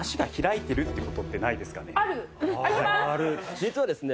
実はですね